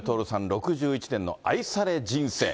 ６１年の愛され人生。